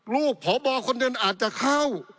ลูกพบคนนั้นอาจจะเข้า